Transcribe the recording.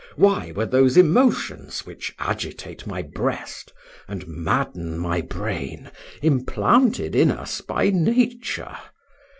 why were those emotions, which agitate my breast, and madden my brain, implanted in us by nature?